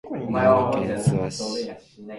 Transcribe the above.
長野県諏訪市